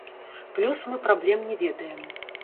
Плюс мы праблем не ведаем.